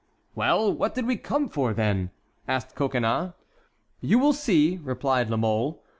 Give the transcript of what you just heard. "Well, what did we come for, then?" asked Coconnas. "You will see," replied La Mole.